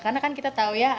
karena kan kita tahu ya